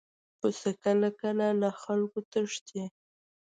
پسه کله کله له خلکو تښتي.